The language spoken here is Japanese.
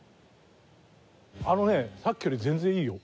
あのねさっきより全然いいよ。